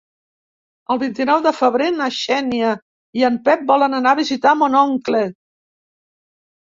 El vint-i-nou de febrer na Xènia i en Pep volen anar a visitar mon oncle.